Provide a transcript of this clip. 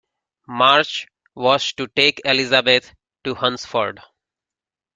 March was to take Elizabeth to Hunsford.